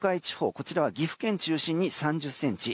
こちらは岐阜県中心に３０ｃｍ。